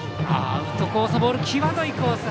アウトコースのボール際どいコース